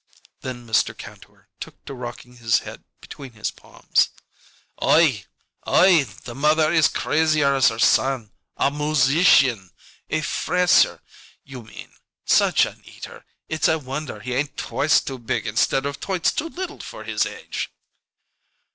Then Mr. Kantor took to rocking his head between his palms. "Oi oi! The mother is crazier as her son. A moosician! A fresser, you mean. Such an eater, it's a wonder he ain't twice too big instead of twice too little for his age."